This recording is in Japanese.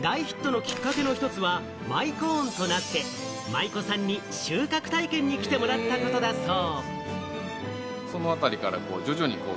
大ヒットのきっかけの一つは、舞コーンと名付けて、舞妓さんに収穫体験に来てもらったことだそう。